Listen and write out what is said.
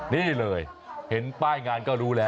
นี่เลยเห็นป้ายงานก็รู้แล้ว